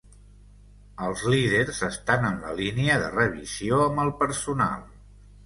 Els líders estan en la línia de revisió amb el personal.